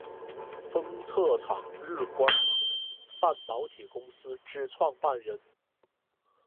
封测厂日月光半导体公司之创办人。